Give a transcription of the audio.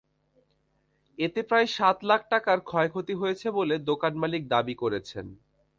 এতে প্রায় সাত লাখ টাকার ক্ষয়ক্ষতি হয়েছে বলে দোকানমালিক দাবি করেছেন।